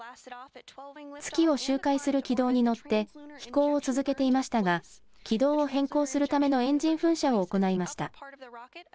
月を周回する軌道に乗って飛行を続けていましたが軌道を変更するためのエンジン噴射を行いました。